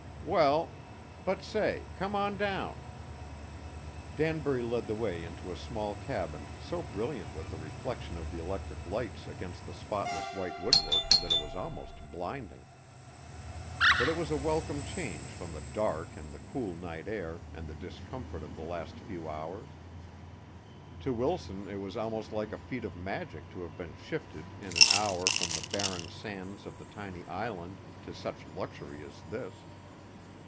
"Well, but say, come on down." Danbury led the way into a small cabin so brilliant with the reflection of the electric lights against the spotless white woodwork that it was almost blinding. But it was a welcome change from the dark and the cool night air and the discomfort of the last few hours. To Wilson it was almost like a feat of magic to have been shifted in an hour from the barren sands of the tiny island to such luxury as this.